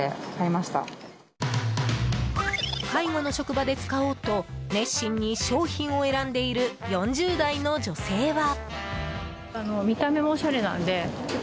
介護の職場で使おうと熱心に商品を選んでいる４０代の女性は。